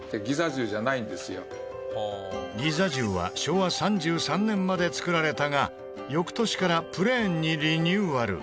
ギザ１０は昭和３３年までつくられたが翌年からプレーンにリニューアル。